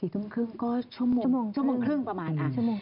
๔ทุ่มครึ่งก็ชั่วโมงครึ่งประมาณ